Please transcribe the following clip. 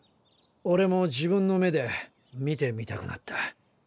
オレも自分の目で見てみたくなった。